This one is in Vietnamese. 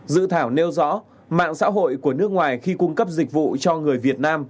dự thảo nêu rõ mạng xã hội của nước ngoài khi cung cấp dịch vụ cho người việt nam